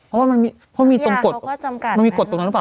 เพราะว่ามันมีเพราะมีตรงกฎมันมีกฎตรงนั้นหรือเปล่า